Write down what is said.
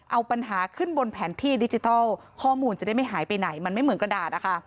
เอาปัญหาขึ้นบนแผนที่ดิจิทัลข้อมูลจะได้ไม่หายไปไหนมันไม่เหมือนกระดาษนะคะ